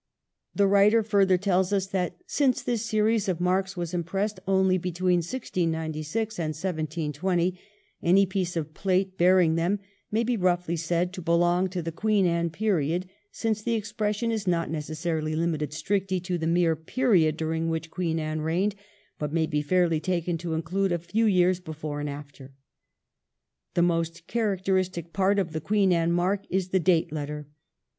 The writer further tells us that 'since this series of marks was impressed only between 1696 and 1720 any piece of plate bearing them may be roughly said to belong to the Queen Anne period, since the expression is not necessarily limited strictly to the mere period during which Queen Anne reigned, but may be fairly taken to include a few years before and after. The most characteristic part of the Queen Anne mark is the date letter.